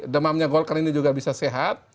demamnya golkar ini juga bisa sehat